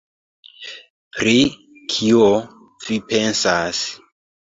“Pri kio vi pensas?”